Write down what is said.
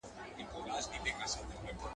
چي دا رنګه انساني ځېل يواځي دا نه چي